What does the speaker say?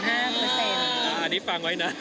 อันนี้ฟังไว้นะ